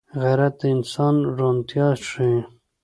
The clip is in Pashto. غیرت د انسان درونتيا ښيي